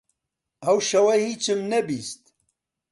ئەو شەوە هیچم نەبیست.